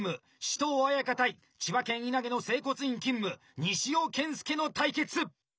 紫桃綾香対千葉県稲毛の整骨院勤務西尾建佑の対決。